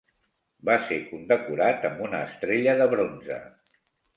Va ser condecorat amb una Estrella de Bronze.